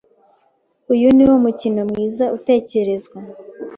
Uyu niwo mukino mwiza utekerezwa.